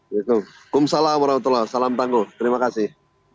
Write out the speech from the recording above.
wa'alaikumsalam warahmatullah salam tangguh terima kasih